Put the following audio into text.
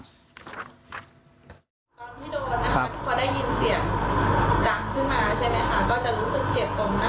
พยายามทำตัวให้ต่ำที่สุดนะคะ